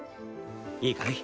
いいかい？